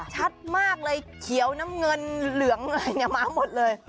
ชัดมากเลยเขียวน้ำเงินเหลืองอะไรเนี่ยมาหมดเลย